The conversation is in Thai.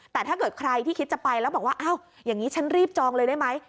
แต่ถ้าเกิดใครที่คิดจะไปแล้วบอกว่าอ้าวอย่างนี้ฉันรีบจองเลยได้ไหม